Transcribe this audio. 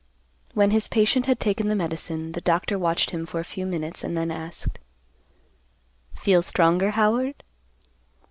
When his patient had taken the medicine, the doctor watched him for a few minutes, and then asked, "Feel stronger, Howard?"